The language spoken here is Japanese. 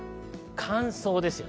乾燥です。